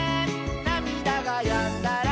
「なみだがやんだら」